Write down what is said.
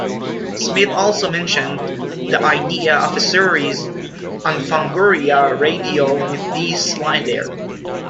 Smith also mentioned the idea of a series on Fangoria radio with Dee Snider.